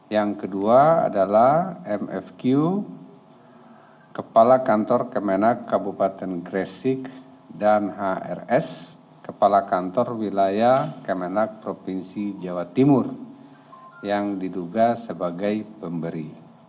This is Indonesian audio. yang kedua adalah mfq kepala kantor kemenak kabupaten gresik dan hrs kepala kantor wilayah kemenak provinsi jawa timur yang diduga sebagai pemberi